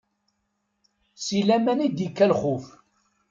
Si laman i d-ikka lxuf.